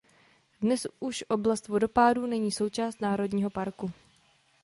Dnes už oblast vodopádů není součástí národního parku.